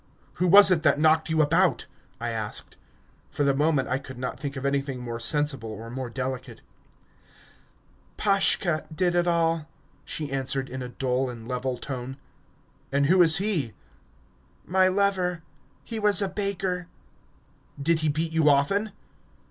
"Who was it that knocked you about?" I asked. For the moment I could not think of anything more sensible or more delicate. "Pashka did it all," she answered in a dull and level tone. "And who is he?" "My lover... He was a baker." "Did he beat you often?"